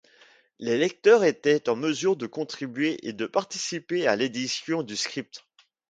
Les lecteurs étaient en mesure de contribuer et de participer à l'édition du script.